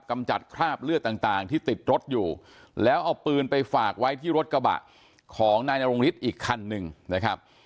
กำจัดคราบเลือดต่างที่ติดรถอยู่แล้วเอาปืนไปฝากไว้ที่รถกระบะของนายนรงฤทธิ์อีกคันหนึ่งนะครับ